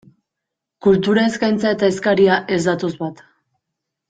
Kultura eskaintza eta eskaria ez datoz bat.